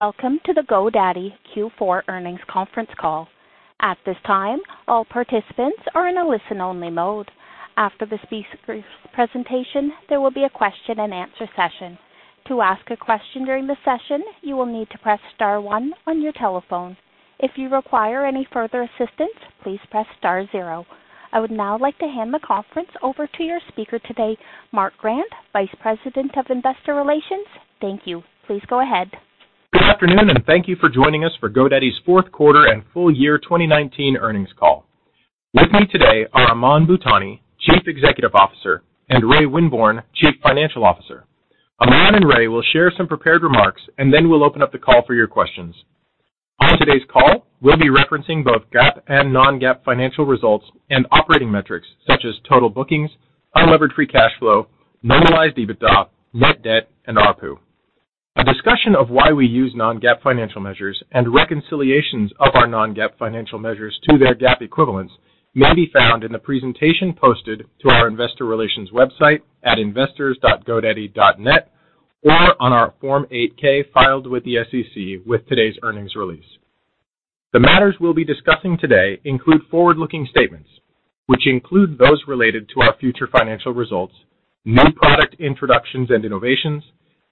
Welcome to the GoDaddy Q4 Earnings Conference Call. At this time, all participants are in a listen-only mode. After the speaker's presentation, there will be a question and answer session. To ask a question during the session, you will need to press star one on your telephone. If you require any further assistance, please press star zero. I would now like to hand the conference over to your speaker today, Mark Grant, Vice President of Investor Relations. Thank you. Please go ahead. Good afternoon, and thank you for joining us for GoDaddy's Fourth Quarter and Full Year 2019 Earnings Call. With me today are Aman Bhutani, Chief Executive Officer, and Ray Winborne, Chief Financial Officer. Aman and Ray will share some prepared remarks, and then we'll open up the call for your questions. On today's call, we'll be referencing both GAAP and non-GAAP financial results and operating metrics such as total bookings, unlevered free cash flow, normalized EBITDA, net debt, and ARPU. A discussion of why we use non-GAAP financial measures and reconciliations of our non-GAAP financial measures to their GAAP equivalents may be found in the presentation posted to our investor relations website at investors.godaddy.net or on our Form 8-K filed with the SEC with today's earnings release. The matters we'll be discussing today include forward-looking statements, which include those related to our future financial results, new product introductions and innovations,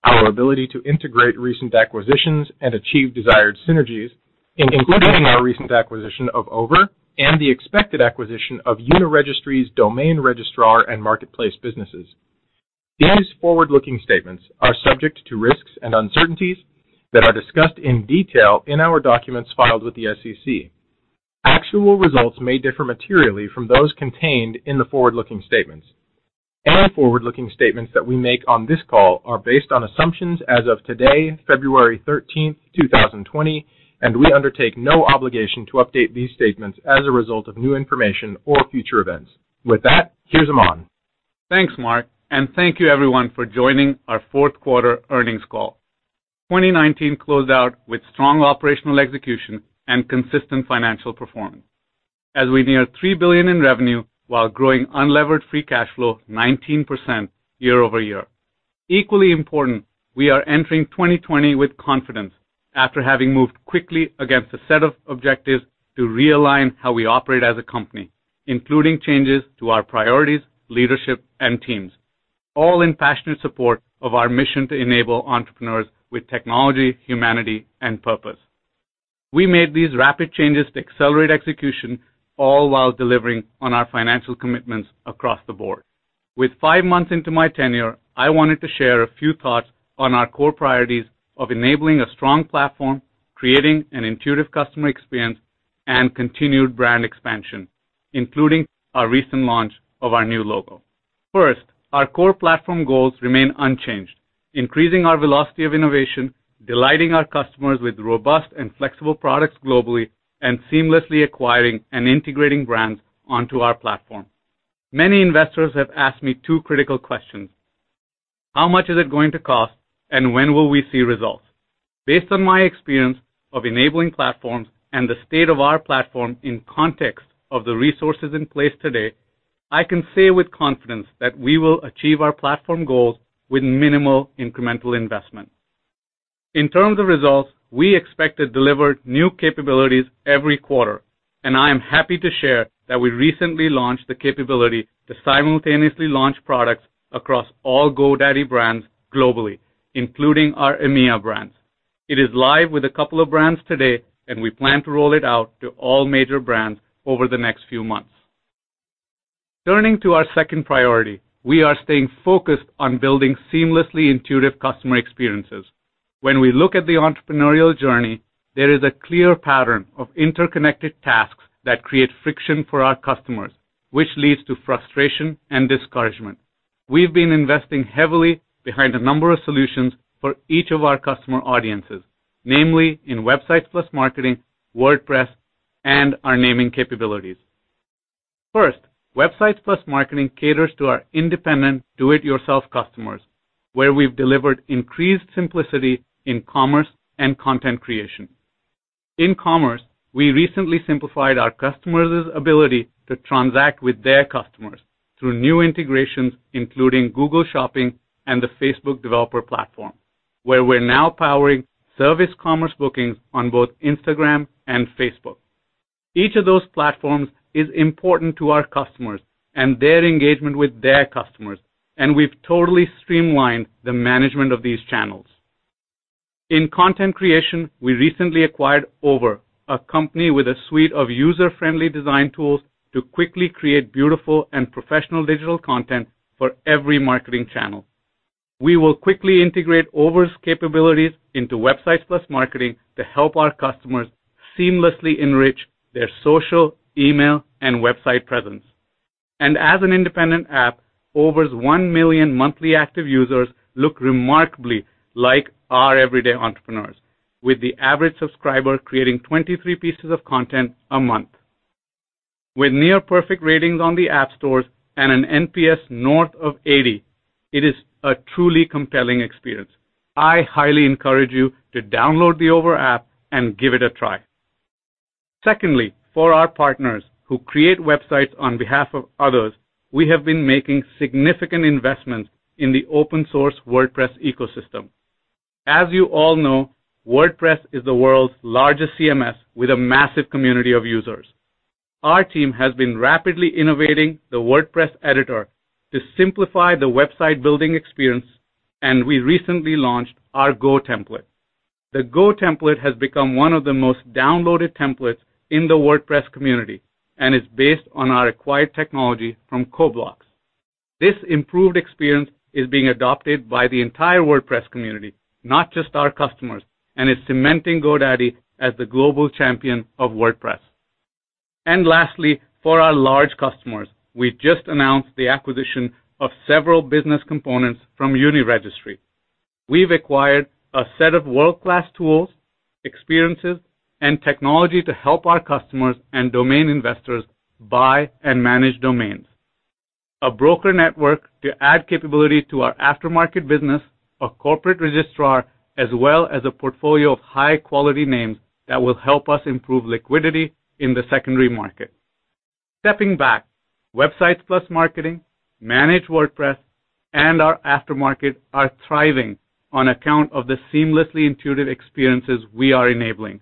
our ability to integrate recent acquisitions and achieve desired synergies, including our recent acquisition of Over and the expected acquisition of Uniregistry's domain registrar and marketplace businesses. These forward-looking statements are subject to risks and uncertainties that are discussed in detail in our documents filed with the SEC. Actual results may differ materially from those contained in the forward-looking statements. Any forward-looking statements that we make on this call are based on assumptions as of today, February 13th, 2020, and we undertake no obligation to update these statements as a result of new information or future events. With that, here's Aman. Thanks, Mark, and thank you everyone for joining our fourth quarter earnings call. 2019 closed out with strong operational execution and consistent financial performance as we near $3 billion in revenue while growing unlevered free cash flow 19% year-over-year. Equally important, we are entering 2020 with confidence after having moved quickly against a set of objectives to realign how we operate as a company, including changes to our priorities, leadership, and teams, all in passionate support of our mission to enable entrepreneurs with technology, humanity, and purpose. We made these rapid changes to accelerate execution all while delivering on our financial commitments across the board. With five months into my tenure, I wanted to share a few thoughts on our core priorities of enabling a strong platform, creating an Intuitive Customer Experience, and continued Brand Expansion, including our recent launch of our new logo. First, our core Platform Goals remain unchanged, increasing our Velocity of Innovation, delighting our customers with robust and flexible products globally, and seamlessly acquiring and integrating brands onto our platform. Many investors have asked me two critical questions: How much is it going to cost, and when will we see results? Based on my experience of enabling platforms and the state of our platform in context of the resources in place today, I can say with confidence that we will achieve our Platform Goals with minimal incremental investment. In terms of results, we expect to deliver new capabilities every quarter, and I am happy to share that we recently launched the capability to simultaneously launch products across all GoDaddy brands globally, including our EMEA brands. It is live with a couple of brands today, and we plan to roll it out to all major brands over the next few months. Turning to our second priority, we are staying focused on building seamlessly Intuitive Customer Experiences. When we look at the Entrepreneurial Journey, there is a clear pattern of interconnected tasks that create friction for our customers, which leads to frustration and discouragement. We've been investing heavily behind a number of solutions for each of our customer audiences, namely in Websites + Marketing, WordPress, and our Naming Capabilities. First, Websites + Marketing caters to our independent do-it-yourself customers, where we've delivered increased simplicity in Commerce and Content Creation. In Commerce, we recently simplified our customers' ability to transact with their customers through new integrations, including Google Shopping and the Facebook Developer Platform, where we're now powering service Commerce Bookings on both Instagram and Facebook. Each of those platforms is important to our customers and their engagement with their customers. We've totally streamlined the management of these channels. In Content Creation, we recently acquired Over, a company with a suite of user-friendly design tools to quickly create beautiful and professional digital content for every marketing channel. We will quickly integrate Over's capabilities into Websites + Marketing to help our customers seamlessly enrich their social, email, and website presence. As an independent app, Over's 1 million monthly active users look remarkably like our everyday entrepreneurs. With the average subscriber creating 23 pieces of content a month. With near-perfect ratings on the App Store and an NPS north of 80, it is a truly compelling experience. I highly encourage you to download the Over app and give it a try. Secondly, for our partners who create websites on behalf of others, we have been making significant investments in the open source WordPress ecosystem. As you all know, WordPress is the world's largest CMS with a massive community of users. Our team has been rapidly innovating the WordPress editor to simplify the website building experience, and we recently launched our Go Template. The Go Template has become one of the most downloaded templates in the WordPress community and is based on our acquired technology from CoBlocks. This improved experience is being adopted by the entire WordPress community, not just our customers, and is cementing GoDaddy as the global champion of WordPress. Lastly, for our large customers, we've just announced the acquisition of several business components from Uniregistry. We've acquired a set of world-class tools, experiences, and technology to help our customers and domain investors buy and manage domains, a broker network to add capability to our aftermarket business, a corporate registrar, as well as a portfolio of high-quality names that will help us improve liquidity in the Secondary Market. Stepping back, Websites + Marketing, Managed WordPress, and our aftermarket are thriving on account of the seamlessly intuitive experiences we are enabling.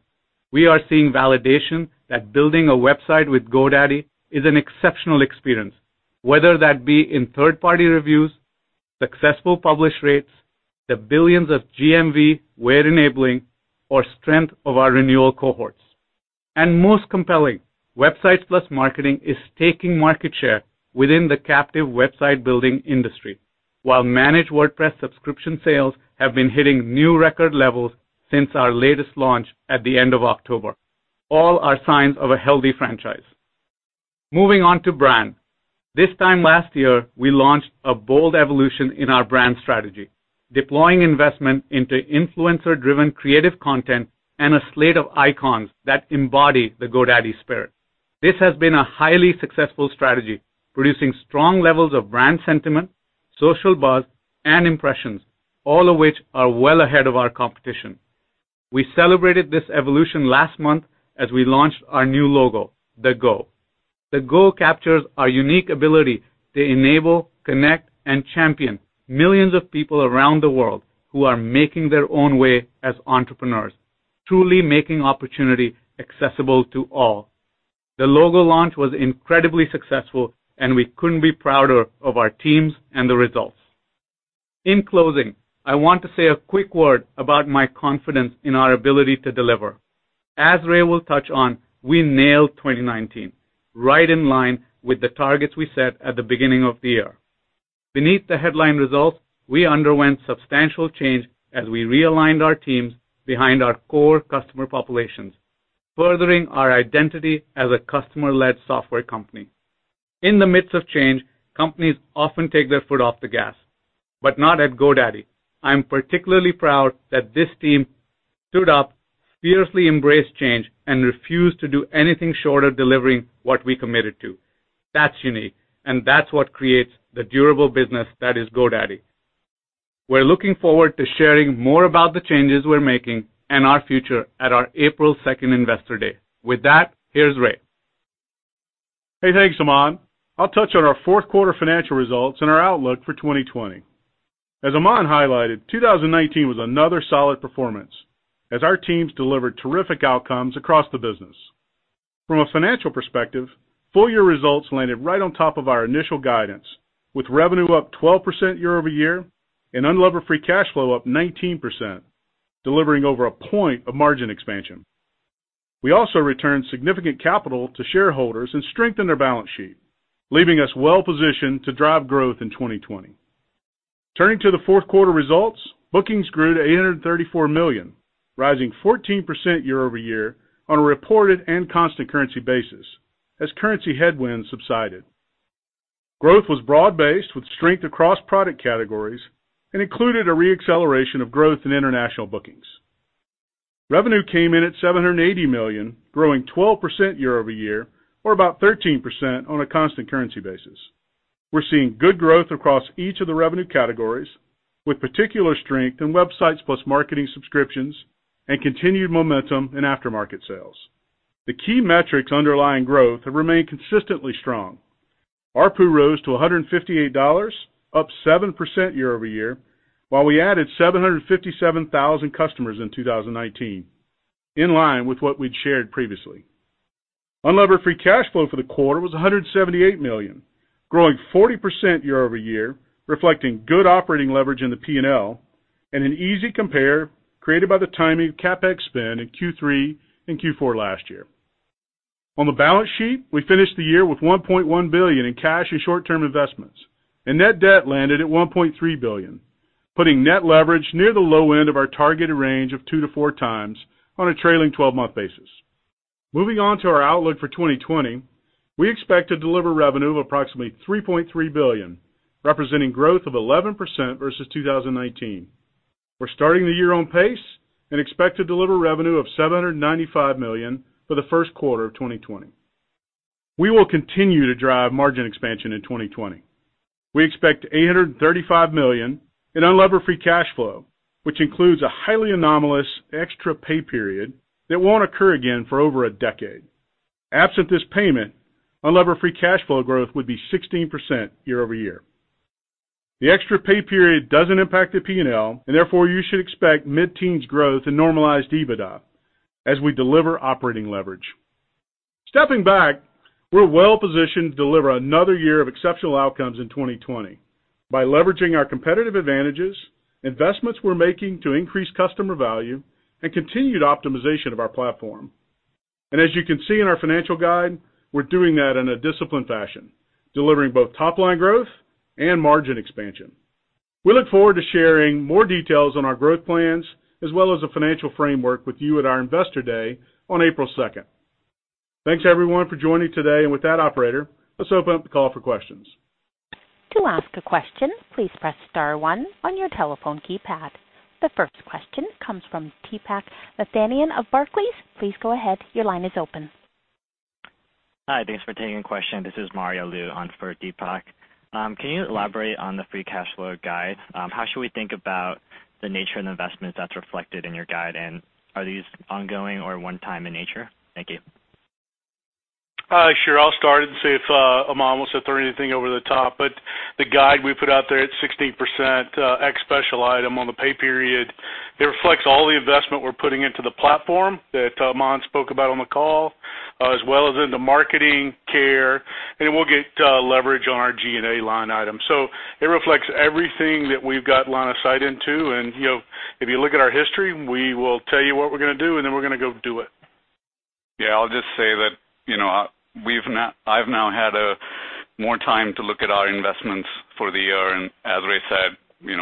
We are seeing validation that building a website with GoDaddy is an exceptional experience, whether that be in third-party reviews, successful publish rates, the billions of GMV we're enabling, or strength of our renewal cohorts. Most compelling, Websites + Marketing is taking market share within the captive website-building industry, while Managed WordPress subscription sales have been hitting new record levels since our latest launch at the end of October. All are signs of a healthy franchise. Moving on to brand. This time last year, we launched a bold evolution in our brand strategy, deploying investment into influencer-driven creative content and a slate of icons that embody the GoDaddy spirit. This has been a highly successful strategy, producing strong levels of brand sentiment, social buzz, and impressions, all of which are well ahead of our competition. We celebrated this evolution last month as we launched our new logo, the Go. The Go captures our unique ability to enable, connect, and champion millions of people around the world who are making their own way as entrepreneurs, truly making opportunity accessible to all. The logo launch was incredibly successful, and we couldn't be prouder of our teams and the results. In closing, I want to say a quick word about my confidence in our ability to deliver. As Ray will touch on, we nailed 2019, right in line with the targets we set at the beginning of the year. Beneath the headline results, we underwent substantial change as we realigned our teams behind our core customer populations, furthering our identity as a customer-led software company. In the midst of change, companies often take their foot off the gas, but not at GoDaddy. I'm particularly proud that this team stood up, fiercely embraced change, and refused to do anything short of delivering what we committed to. That's unique, and that's what creates the durable business that is GoDaddy. We're looking forward to sharing more about the changes we're making and our future at our April 2nd Investor Day. With that, here's Ray. Hey, thanks, Aman. I'll touch on our fourth quarter financial results and our outlook for 2020. As Aman highlighted, 2019 was another solid performance as our teams delivered terrific outcomes across the business. From a financial perspective, full-year results landed right on top of our initial guidance, with revenue up 12% year-over-year and unlevered free cash flow up 19%, delivering over one point of margin expansion. We also returned significant capital to shareholders and strengthened our balance sheet, leaving us well positioned to drive growth in 2020. Turning to the fourth quarter results, bookings grew to $834 million, rising 14% year-over-year on a reported and constant currency basis as currency headwinds subsided. Growth was broad-based with strength across product categories and included a re-acceleration of growth in international bookings. Revenue came in at $780 million, growing 12% year-over-year, or about 13% on a constant currency basis. We're seeing good growth across each of the revenue categories, with particular strength in Websites + Marketing subscriptions and continued momentum in aftermarket sales. The key metrics underlying growth have remained consistently strong. ARPU rose to $158, up 7% year-over-year, while we added 757,000 customers in 2019, in line with what we'd shared previously. Unlevered free cash flow for the quarter was $178 million, growing 40% year-over-year, reflecting good operating leverage in the P&L and an easy compare created by the timing of CapEx spend in Q3 and Q4 last year. On the balance sheet, we finished the year with $1.1 billion in cash and short-term investments, and net debt landed at $1.3 billion, putting net leverage near the low end of our targeted range of 2x to 4x times on a trailing 12-month basis. Moving on to our outlook for 2020, we expect to deliver revenue of approximately $3.3 billion, representing growth of 11% versus 2019. We're starting the year on pace and expect to deliver revenue of $795 million for the first quarter of 2020. We will continue to drive margin expansion in 2020. We expect $835 million in unlevered free cash flow, which includes a highly anomalous extra pay period that won't occur again for over a decade. Absent this payment, unlevered free cash flow growth would be 16% year-over-year. The extra pay period doesn't impact the P&L, and therefore, you should expect mid-teens growth in normalized EBITDA as we deliver operating leverage. Stepping back, we're well-positioned to deliver another year of exceptional outcomes in 2020 by leveraging our competitive advantages, investments we're making to increase customer value, and continued optimization of our platform. As you can see in our financial guide, we're doing that in a disciplined fashion, delivering both top-line growth and margin expansion. We look forward to sharing more details on our growth plans as well as the financial framework with you at our Investor Day on April 2nd. Thanks everyone for joining today. With that Operator, let's open up the call for questions. To ask a question, please press star one on your telephone keypad. The first question comes from Deepak Mathivanan of Barclays. Please go ahead. Your line is open. Hi. Thanks for taking the question. This is Mario Lu on for Deepak. Can you elaborate on the free cash flow guide? How should we think about the nature of the investment that's reflected in your guide, and are these ongoing or one-time in nature? Thank you. Sure. I'll start and see if Aman wants to throw anything over the top. The guide we put out there at 16% ex special item on the pay period, it reflects all the investment we're putting into the platform that Aman spoke about on the call, as well as into marketing, care, and we'll get leverage on our G&A line item. It reflects everything that we've got line of sight into. If you look at our history, we will tell you what we're going to do, and then we're going to go do it. Yeah, I'll just say that I've now had more time to look at our investments for the year, and as Ray said,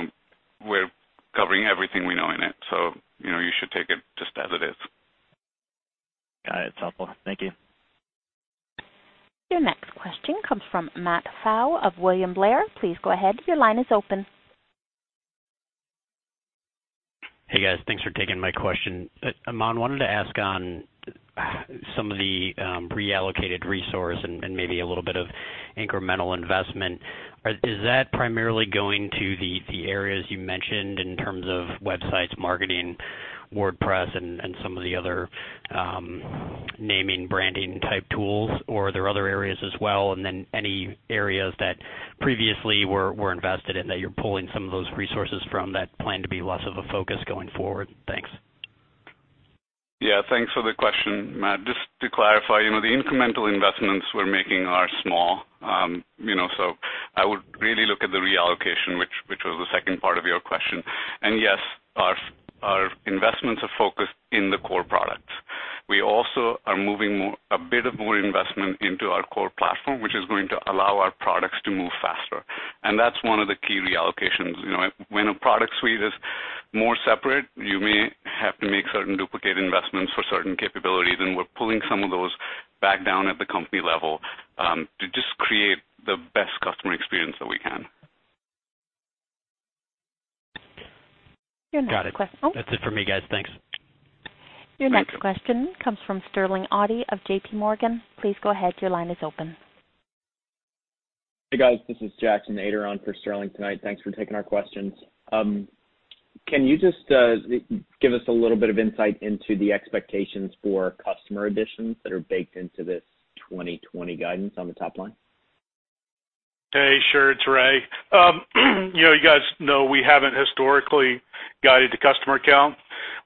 we're covering everything we know in it, so you should take it just as it is. Got it. It's helpful. Thank you. Your next question comes from Matt Pfau of William Blair. Please go ahead. Your line is open. Hey guys, thanks for taking my question. Aman, wanted to ask on some of the reallocated resource and maybe a little bit of incremental investment. Is that primarily going to the areas you mentioned in terms of Websites + Marketing, WordPress, and some of the other naming, branding type tools? Or are there other areas as well, and then any areas that previously were invested in that you're pulling some of those resources from that plan to be less of a focus going forward? Thanks. Yeah. Thanks for the question, Matt. Just to clarify, the incremental investments we're making are small, so I would really look at the reallocation, which was the second part of your question. Yes, our investments are focused in the core products. We also are moving a bit of more investment into our core platform, which is going to allow our products to move faster. That's one of the key reallocations. When a product suite is more separate, you may have to make certain duplicate investments for certain capabilities, and we're pulling some of those back down at the company level to just create the best customer experience that we can. Your next question. Got it. That's it for me, guys. Thanks. Your next question comes from Sterling Auty of JPMorgan. Please go ahead. Your line is open. Hey, guys, this is Jackson Ader for Sterling tonight. Thanks for taking our questions. Can you just give us a little bit of insight into the expectations for customer additions that are baked into this 2020 guidance on the top line? Hey, sure. It's Ray. You guys know we haven't historically guided the customer count.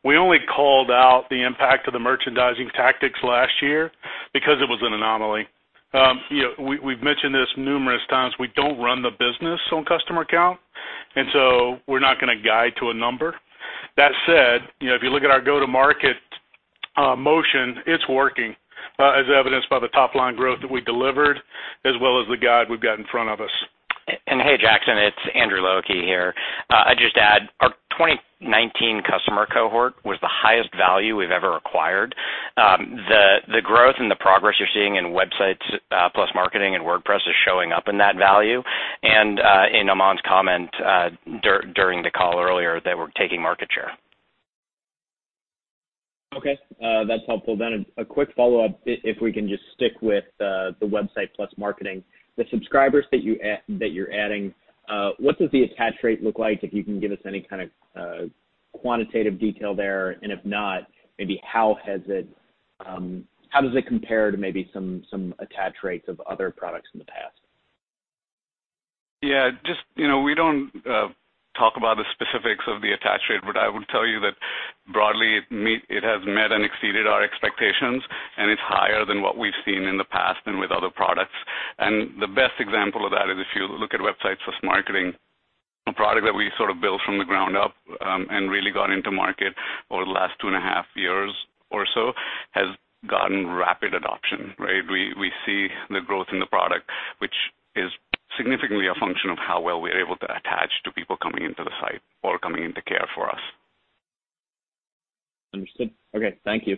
We only called out the impact of the merchandising tactics last year because it was an anomaly. You know, we've mentioned this numerous times. We don't run the business on customer count, and so we're not going to guide to a number. That said, if you look at our Go-to-Market motion, it's working, as evidenced by the top-line growth that we delivered as well as the guide we've got in front of us. Hey, Jackson, it's Andrew Low Ah Kee here. I'd just add our 2019 customer cohort was the highest value we've ever acquired. The growth and the progress you're seeing in Websites + Marketing and WordPress is showing up in that value and in Aman's comment during the call earlier that we're taking market share. Okay. That's helpful. A quick follow-up, if we can just stick with the Websites + Marketing. The subscribers that you're adding, what does the attach rate look like? If you can give us any kind of quantitative detail there, if not, maybe how does it compare to maybe some attach rates of other products in the past? We don't talk about the specifics of the attach rate, but I would tell you that broadly, it has met and exceeded our expectations, and it's higher than what we've seen in the past and with other products. The best example of that is if you look at Websites + Marketing, a product that we sort of built from the ground up, and really got into market over the last 2.5 years or so, has gotten rapid adoption. We see the growth in the product, which is significantly a function of how well we're able to attach to people coming into the site or coming into care for us. Understood. Okay. Thank you.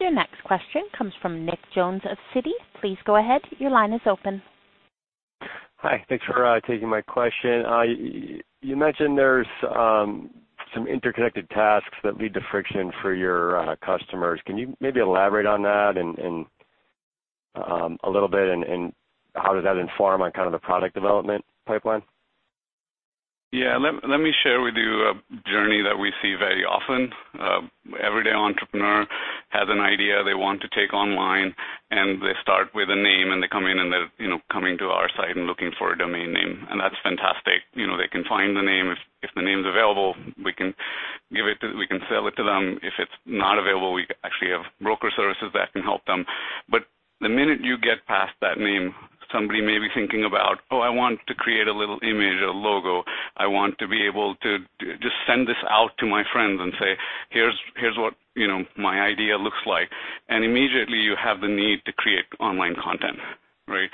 Your next question comes from Nick Jones of Citi. Please go ahead. Your line is open. Hi. Thanks for taking my question. You mentioned there's some interconnected tasks that lead to friction for your customers. Can you maybe elaborate on that a little bit, and how does that inform on kind of the product development pipeline? Yeah. Let me share with you a journey that we see very often. Everyday entrepreneur has an idea they want to take online, and they start with a name, and they come in and they're coming to our site and looking for a domain name, and that's fantastic. They can find the name. If the name's available, we can sell it to them. If it's not available, we actually have Broker Services that can help them. The minute you get past that name, somebody may be thinking about, "Oh, I want to create a little image or logo. I want to be able to just send this out to my friends and say, 'Here's what my idea looks like'. And, Immediately you have the need to create online content, right?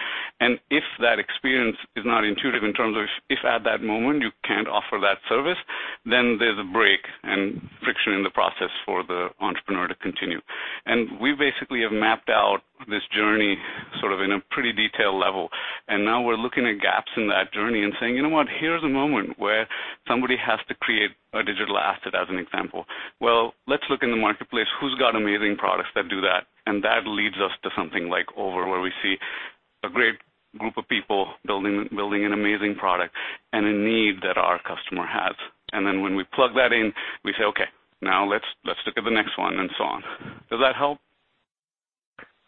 If that experience is not intuitive in terms of if at that moment you can't offer that service, then there's a break and friction in the process for the entrepreneur to continue. We basically have mapped out this journey sort of in a pretty detailed level, and now we're looking at gaps in that journey and saying, "You know what? Here's a moment where somebody has to create a digital asset," as an example. Well, let's look in the marketplace. Who's got amazing products that do that? That leads us to something like Over where we see a great group of people building an amazing product, and a need that our customer has. Then when we plug that in, we say, "Okay, now let's look at the next one, and so on". Does that help?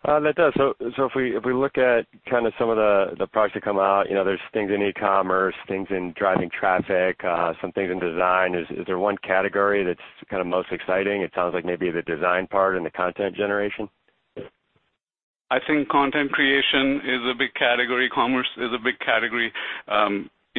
That does. If we look at kind of some of the products that come out, there's things in e-commerce, things in driving traffic, some things in design. Is there one category that's kind of most exciting? It sounds like maybe the design part and the content generation. I think Content Creation is a big category. Commerce is a big category.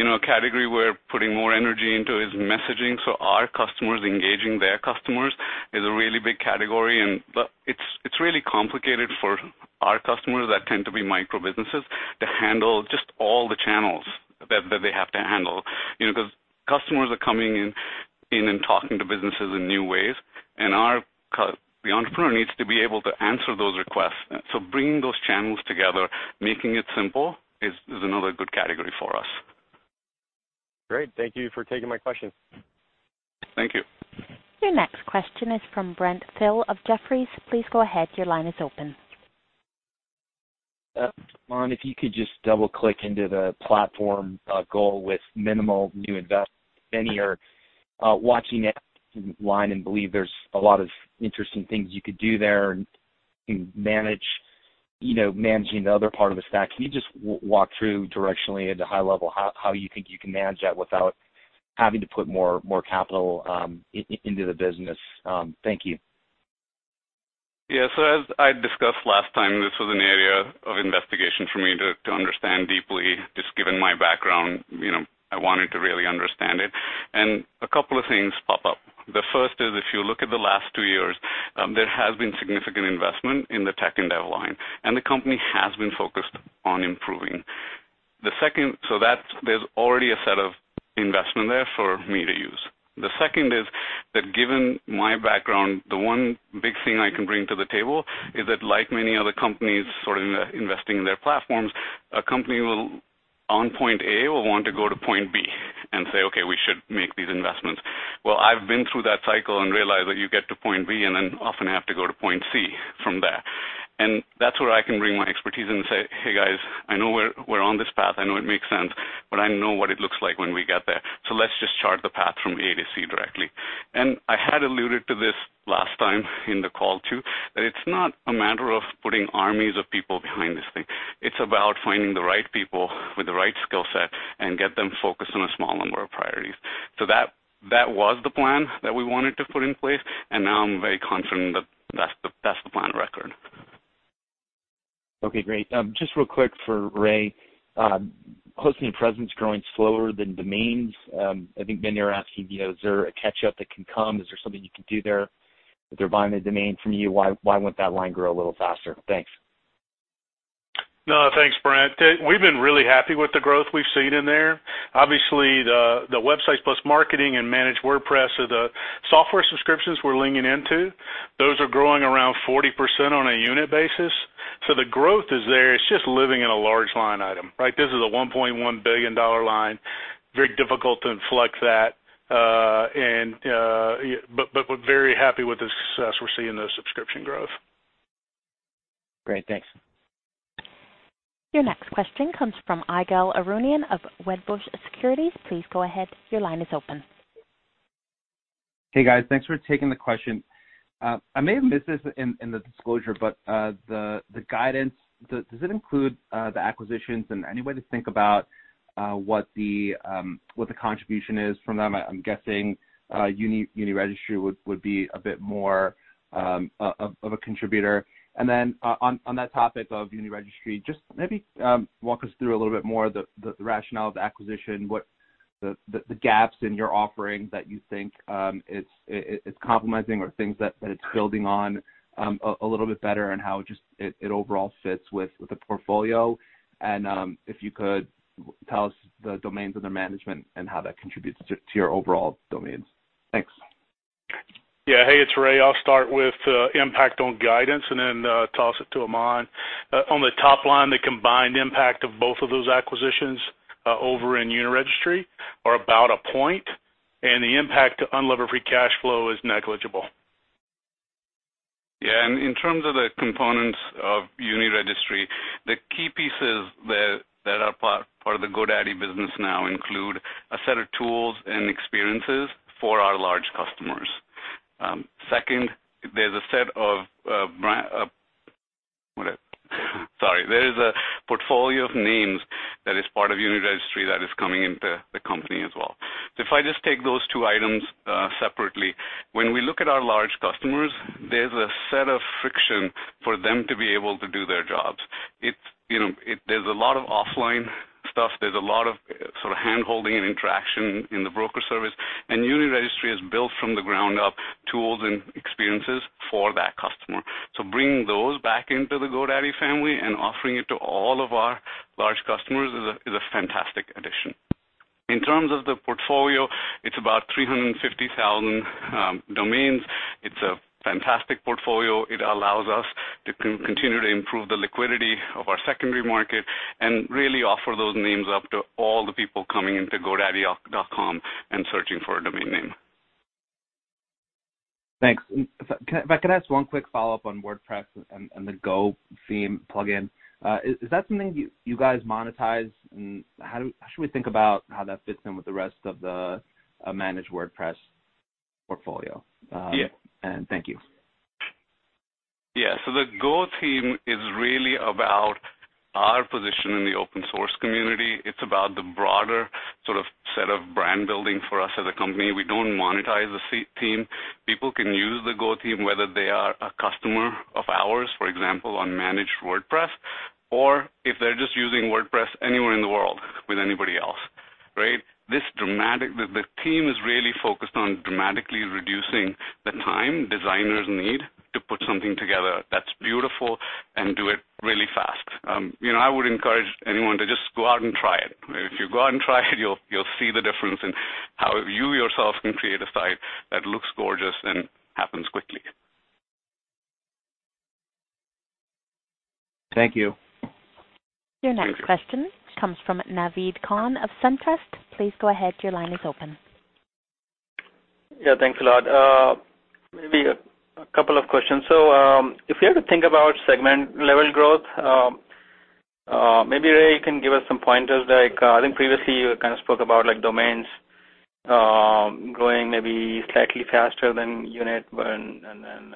A category we're putting more energy into is messaging. Our customers engaging their customers is a really big category, but it's really complicated for our customers that tend to be micro-businesses to handle just all the channels that they have to handle. Customers are coming in and talking to businesses in new ways, and the entrepreneur needs to be able to answer those requests. Bringing those channels together, making it simple, is another good category for us. Great. Thank you for taking my question. Thank you. Your next question is from Brent Thill of Jefferies. Please go ahead. Your line is open. Aman, if you could just double-click into the platform goal with minimal new investments. Many are watching it line and believe there's a lot of interesting things you could do there in manage-- you know, managing the other part of the stack. Can you just walk through directionally at a high level, how you think you can manage that without having to put more capital into the business? Thank you. Yeah. As I discussed last time, this was an area of investigation for me to understand deeply. Just given my background, I wanted to really understand it, and a couple of things pop up. The first is, if you look at the last two years, there has been significant investment in the tech and dev line, and the company has been focused on improving. There's already a set of investment there for me to use. The second is that given my background, the one big thing I can bring to the table is that like many other companies sort of investing in their platforms, a company on point A will want to go to point B and say, "Okay, we should make these investments." Well, I've been through that cycle and realized that you get to point B, and then often have to go to point C from there. That's where I can bring my expertise and say, "Hey, guys, I know we're on this path. I know it makes sense, but I know what it looks like when we get there. Let's just chart the path from A to C directly." And I had alluded to this last time in the call, too, that it's not a matter of putting armies of people behind this thing. It's about finding the right people with the right skill set and get them focused on a small number of priorities. That was the plan that we wanted to put in place, and now I'm very confident that that's the plan, correct. Great. Just real quick for Ray. Hosting presence growing slower than domains. I think many are asking, is there a catch-up that can come? Is there something you can do there? If they're buying the domain from you, why wouldn't that line grow a little faster? Thanks. No, thanks, Brent. We've been really happy with the growth we've seen in there. Obviously, the Websites + Marketing and Managed WordPress are the software subscriptions we're leaning into. Those are growing around 40% on a unit basis. The growth is there. It's just living in a large line item, right? This is a $1.1 billion line. Very difficult to inflect that. We're very happy with the success we're seeing in the subscription growth. Great. Thanks. Your next question comes from Ygal Arounian of Wedbush Securities. Please go ahead. Your line is open. Hey, guys. Thanks for taking the question. I may have missed this in the disclosure, the guidance, does it include the acquisitions and any way to think about what the contribution is from them? I'm guessing Uniregistry would be a bit more of a contributor. On that topic of Uniregistry, just maybe walk us through a little bit more the rationale of the acquisition, the gaps in your offering that you think it's compromising or things that it's building on a little bit better and how just it overall fits with the portfolio. If you could tell us the domains under management and how that contributes to your overall domains. Thanks. Yeah. Hey, it's Ray. I'll start with the impact on guidance and then toss it to Aman. On the top line, the combined impact of both of those acquisitions Over in Uniregistry are about a point, and the impact to unlevered free cash flow is negligible. Yeah. In terms of the components of Uniregistry, the key pieces that are part of the GoDaddy business now include a set of tools and experiences for our large customers. Second, there's a set of— sorry. There's a portfolio of names that is part of Uniregistry that is coming into the company as well. If I just take those two items separately, when we look at our large customers, there's a set of friction for them to be able to do their jobs. There's a lot of offline stuff. There's a lot of sort of hand-holding and interaction in the broker service. Uniregistry has built from the ground up tools and experiences for that customer. Bringing those back into the GoDaddy family and offering it to all of our large customers is a fantastic addition. In terms of the portfolio, it's about 350,000 domains. It's a fantastic portfolio. It allows us to continue to improve the liquidity of our Secondary Market and really offer those names up to all the people coming into godaddy.com and searching for a domain name. Thanks. If I could ask one quick follow-up on WordPress and the Go theme plugin. Is that something you guys monetize? How should we think about how that fits in with the rest of the Managed WordPress portfolio? Yeah. Thank you. Yeah. So, the Go theme is really about our position in the open source community. It's about the broader sort of set of brand building for us as a company. We don't monetize the theme. People can use the Go theme, whether they are a customer of ours, for example, on Managed WordPress, or if they're just using WordPress anywhere in the world with anybody else, right? The theme is really focused on dramatically reducing the time designers need to put something together that's beautiful and do it really fast. I would encourage anyone to just go out and try it, right? If you go out and try it, you'll see the difference in how you yourself can create a site that looks gorgeous and happens quickly. Thank you. Thank you. Your next question comes from Naved Khan of SunTrust. Please go ahead, your line is open. Yeah, thanks a lot. Maybe a couple of questions. If we had to think about segment-level growth, maybe, Ray, you can give us some pointers. I think previously you kind of spoke about domains growing maybe slightly faster than unit, and then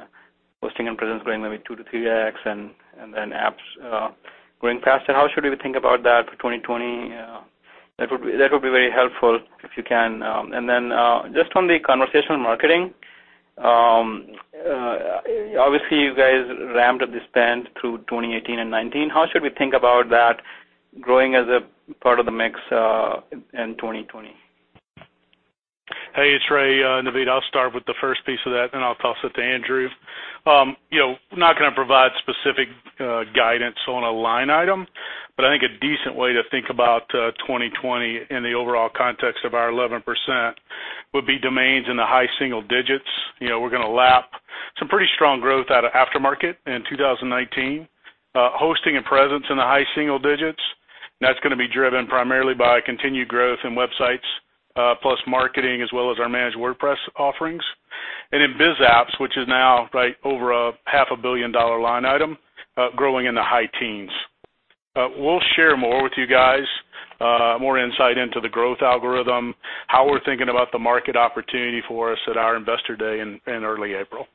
hosting and presence growing maybe 2x-3x, and then apps growing faster. How should we think about that for 2020? That would be very helpful if you can. Just on the conversational marketing, obviously you guys ramped up the spend through 2018 and 2019. How should we think about that growing as a part of the mix in 2020? Hey, it's Ray. Naved, I'll start with the first piece of that, then I'll toss it to Andrew. I think a decent way to think about 2020 in the overall context of our 11% would be domains in the high single digits. We're going to lap some pretty strong growth out of aftermarket in 2019. Hosting and presence in the high single digits. That's going to be driven primarily by continued growth in Websites + Marketing, as well as our Managed WordPress offerings. In biz apps, which is now over a half a billion dollar line item, growing in the high teens. We'll share more with you guys, more insight into the growth algorithm, how we're thinking about the market opportunity for us at our Investor Day in early April.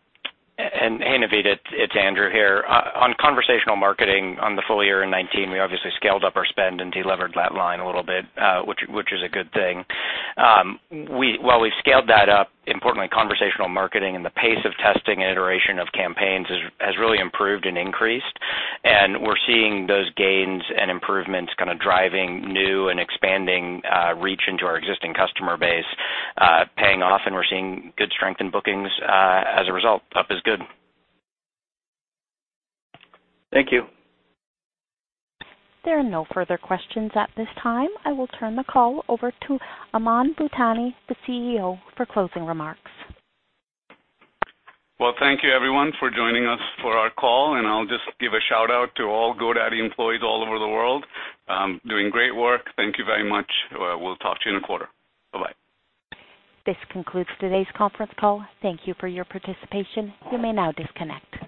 Hey, Naved, it's Andrew here. On conversational marketing on the full year in 2019, we obviously scaled up our spend and delevered that line a little bit, which is a good thing. While we've scaled that up, importantly, conversational marketing and the pace of testing and iteration of campaigns has really improved and increased, and we're seeing those gains and improvements kind of driving new and expanding reach into our existing customer base paying off, and we're seeing good strength in bookings as a result. Up is good. Thank you. There are no further questions at this time. I will turn the call over to Aman Bhutani, the CEO, for closing remarks. Well, thank you everyone for joining us for our call, and I'll just give a shout-out to all GoDaddy employees all over the world doing great work. Thank you very much. We'll talk to you in a quarter. Bye-bye. This concludes today's conference call. Thank you for your participation. You may now disconnect.